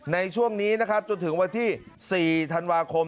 ในช่วงนี้จนถึงวันที่๔ธันวาคม